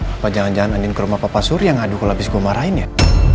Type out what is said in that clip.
apa jangan jangan andin ke rumah papa surya ngadu kalo abis gua marahin ya